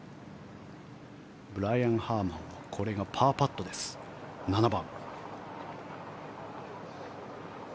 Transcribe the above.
ブライアン・ハーマンこれがパーパットです、７番。